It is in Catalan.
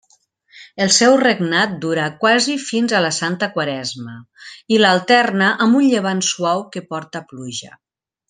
El seu regnat dura quasi fins a la santa Quaresma, i l'alterna amb un llevant suau que porta pluja.